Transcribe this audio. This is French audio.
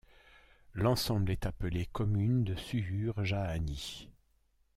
L'ensemble est appelé commune de Suure-Jaani.